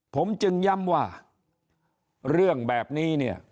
ผมจึงย้ำว่าเรื่องแบบนี้เนี่ย